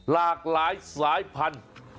หลากหลายสายพันธุ์